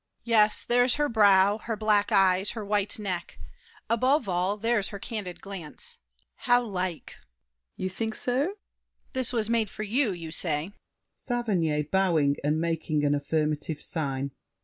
Yes, there's her brow, her black eyes, her white neck; Above all, there's her candid glance! How like! SAVERNY. You think so? DIDIER. This was made for you, you say? SAVERNY (bowing, and making an affirmative sign).